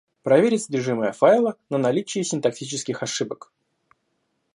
Проверит содержимое файла на наличие синтаксических ошибок